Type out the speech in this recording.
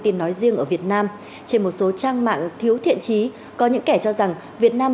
tiên nói riêng ở việt nam trên một số trang mạng thiếu thiện trí có những kẻ cho rằng việt nam